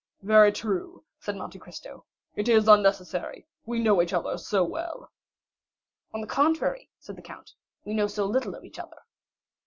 "Very true," said Monte Cristo; "it is unnecessary, we know each other so well!" "On the contrary," said the count, "we know so little of each other."